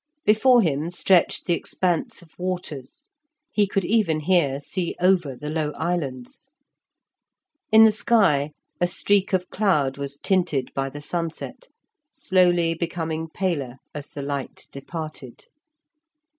Before him stretched the expanse of waters; he could even here see over the low islands. In the sky a streak of cloud was tinted by the sunset, slowly becoming paler as the light departed.